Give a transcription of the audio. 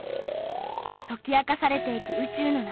解き明かされていく宇宙の謎。